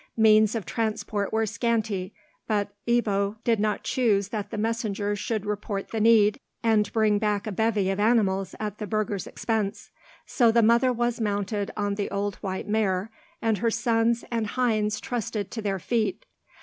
Means of transport were scanty, but Ebbo did not choose that the messengers should report the need, and bring back a bevy of animals at the burgher's expense; so the mother was mounted on the old white mare, and her sons and Heinz trusted to their feet.